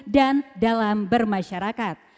dan dalam bermasyarakat